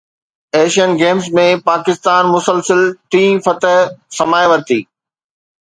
Asian games ۾ Pakistan مسلسل ٽئين فتح سمائي ورتي